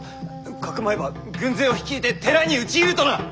かくまえば軍勢を率いて寺に討ち入るとな！